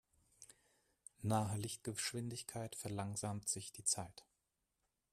Nahe Lichtgeschwindigkeit verlangsamt sich die Zeit.